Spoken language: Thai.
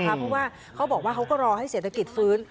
เพราะว่าเขาบอกว่าเขาก็รอให้เศรษฐกิจฟื้น